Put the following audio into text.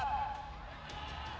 suara akar rumput